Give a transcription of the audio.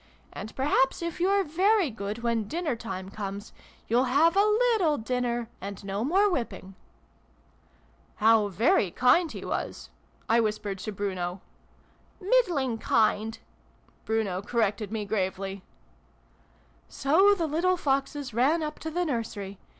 And, perhaps, if you're very good, when dinner time comes, you'll have a little dinner, and no more whipping !':(" How very kind he was !" I whispered to Bruno. "Middling kind," Bruno corrected me gravely.) " So the little Foxes ran up to the nursery.